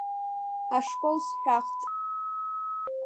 Ашкол сҳәахт!